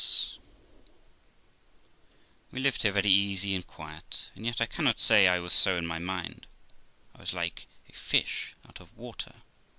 320 THE LIFE OF ROXANA We lived here very easy and quiet, and yet 1 cannot say I was so in my mind ; I was like a fish out of water.